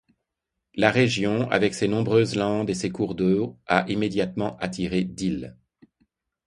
La région, avec ses nombreuses landes et ses cours d'eau, a immédiatement attiré Dill.